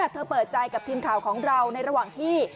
เธอเปิดใจกับทีมข่าวของเราในระหว่างที่